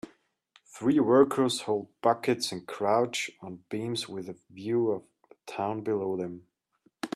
Three workers hold buckets and crouch on beams with a view of a town below them.